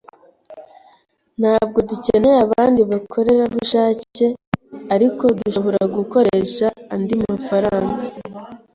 Ntabwo dukeneye abandi bakorerabushake, ariko dushobora gukoresha andi mafaranga.